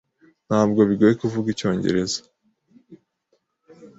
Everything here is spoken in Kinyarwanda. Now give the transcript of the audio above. Ntabwo bigoye kuvuga icyongereza.